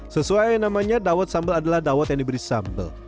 sesuai namanya dawet sambal adalah dawet yang diberi sambal